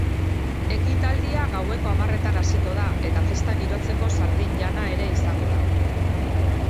Ekitaldia gaueko hamarretan hasiko da eta festa girotzeko sardin jana ere izango da.